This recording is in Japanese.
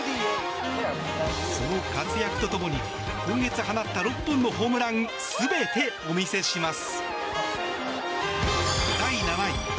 その活躍とともに今月放った６本のホームラン全てお見せします。